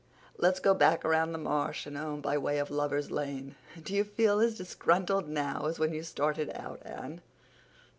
"Let's go back around the marsh and home by way of Lover's Lane. Do you feel as disgruntled now as when you started out, Anne?"